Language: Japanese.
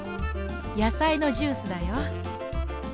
やさいのジュースだよ。